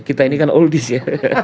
kita ini kan oldies ya